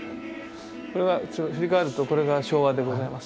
振り返るとこれが昭和でございます。